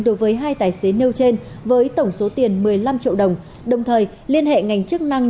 đối với hai tài xế nêu trên với tổng số tiền một mươi năm triệu đồng đồng thời liên hệ ngành chức năng